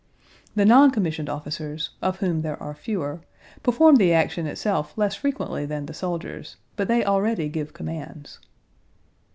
The noncommissioned officers (of whom there are fewer) perform the action itself less frequently than the soldiers, but they already give commands.